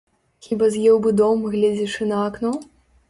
Хіба з'еў бы дом, гледзячы на акно?